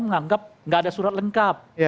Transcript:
menganggap nggak ada surat lengkap